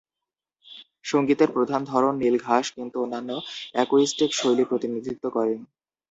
সঙ্গীতের প্রধান ধরন নীল ঘাস, কিন্তু অন্যান্য অ্যাকুইস্টিক শৈলী প্রতিনিধিত্ব করে।